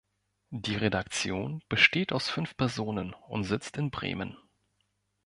Die Redaktion besteht aus fünf Personen und sitzt in Bremen.